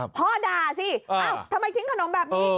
พ่อด่าสิทำไมทิ้งขนมแบบนี้